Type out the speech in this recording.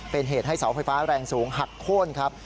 เป็นเหตุให้เสาไฟฟ้าแรงสูงหักโค้นครับ